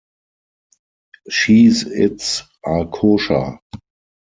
Cheez-Its are kosher.